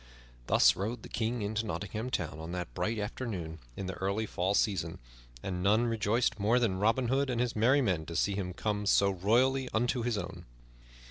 Thus rode the King into Nottingham Town on that bright afternoon in the early fall season; and none rejoiced more than Robin Hood and his merry men to see him come so royally unto his own.